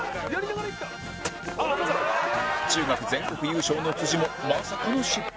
中学全国優勝のもまさかの失敗